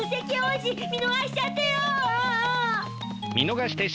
見逃しちゃったよ！